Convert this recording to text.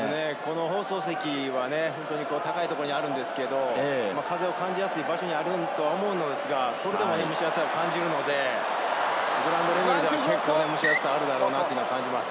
放送席は高いところにあるんですけれど、風を感じやすい場所にあると思うのですが、それでも蒸し暑さを感じるので、グラウンドレベルでは結構、蒸し暑さがあると思います。